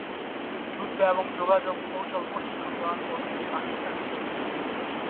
যুদ্ধ এবং গোপন যোগাযোগ কৌশল প্রশিক্ষণ দেওয়ার পর, তিনি পাকিস্তান চলে যান।